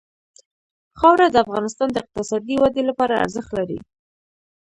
خاوره د افغانستان د اقتصادي ودې لپاره ارزښت لري.